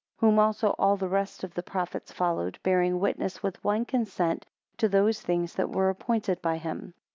8 Whom also all the rest of the prophets followed, bearing witness with one consent to those things that were appointed by him.